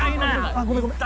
あっごめんごめん。